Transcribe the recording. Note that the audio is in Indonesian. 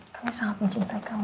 kami sangat mencintai kamu